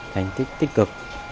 thành tích tích cực